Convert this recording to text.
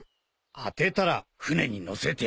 当てたら船に乗せてやる。